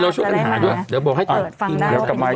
เดี๋ยวช่วยกันหาด้วยเดี๋ยวบอกให้เธอฟังด้วย